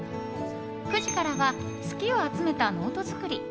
９時からは好きを集めたノート作り。